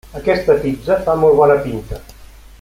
Aquesta pizza fa molt bona pinta.